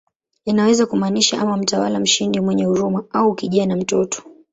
Inaweza kumaanisha ama "mtawala mshindi mwenye huruma" au "kijana, mtoto".